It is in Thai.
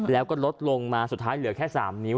แล้วก็ลดลงมาสุดท้ายเหลือแค่๓นิ้ว